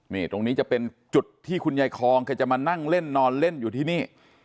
นี่ตรงนี้จะเป็นจุดที่คุณยายคองแกจะมานั่งเล่นนอนเล่นอยู่ที่นี่